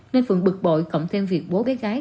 nên phượng bực bội cộng thêm việc bố bé gái